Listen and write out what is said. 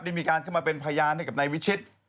มีการเข้ามาเป็นพยานให้กับนายวิชิต